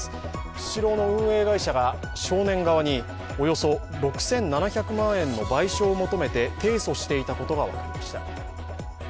スシローの運営会社が少年側におよそ６７００万円の賠償を求めて提訴していたことが分かりました。